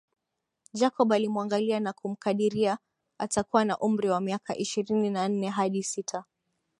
Jacob alimuangalia na kumkadiria atakuwa na umri wa miaka ishirini na nne hadi sita